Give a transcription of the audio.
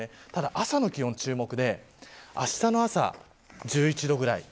朝の気温に注目で、あしたの朝１１度くらい。